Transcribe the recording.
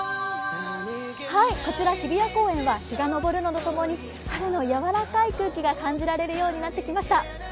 こちら日比谷公園は日が昇るのとともに春のやわらかい空気が感じられるようになりました。